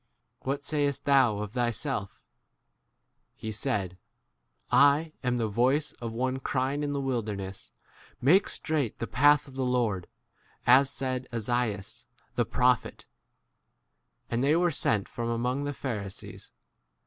What sayest 23 thou of thyself ? He said, I * [am] [the] voice of one crying in the wil derness, 11 Make straight the path of [the] Lord, as said Esaias the 24 prophet. And they were sent 25 from among p the Pharisees.